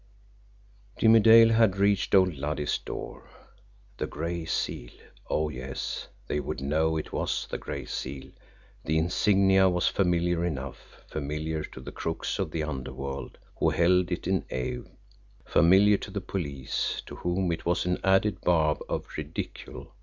Jimmie Dale had reached old Luddy's door. The Gray Seal? Oh, yes, they would know it was the Gray Seal the insignia was familiar enough; familiar to the crooks of the underworld, who held it in awe; familiar to the police, to whom it was an added barb of ridicule.